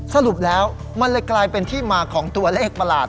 สรุปแล้วมันเลยกลายเป็นที่มาของตัวเลขประหลาด